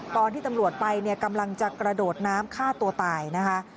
ตอนที่ตำรวจไปเนี่ยกำลังจะกระโดดน้ำฆ่าตัวตายนะคะ